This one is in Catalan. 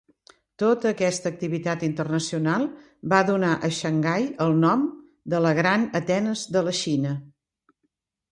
Tota aquesta activitat internacional va donar a Xangai el nom de "la gran Atenes de la Xina".